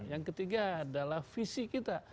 yang ketiga adalah visi kita